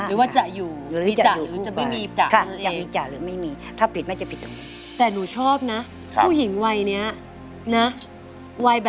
แล้วร้องเพลงอย่างนี้แล้วเสียงเนี่ย